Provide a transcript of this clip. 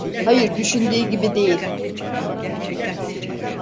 Hayır, düşündüğün gibi değil.